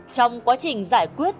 trong quá trình giải quyết